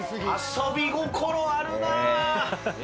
遊び心あるな！